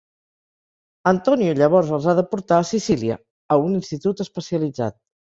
Antonio llavors els ha de portar a Sicília, a un institut especialitzat.